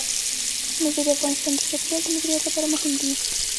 مېوې د افغانستان د چاپیریال د مدیریت لپاره مهم دي.